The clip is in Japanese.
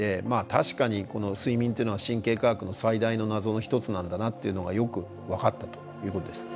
確かに睡眠っていうのは神経科学の最大の謎の一つなんだなっていうのがよく分かったということです。